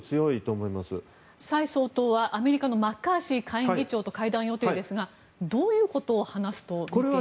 蔡総統はアメリカのマッカーシー下院議長と会談予定ですがどういうことを話すと言っていますか。